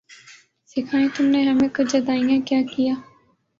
سکھائیں تم نے ہمیں کج ادائیاں کیا کیا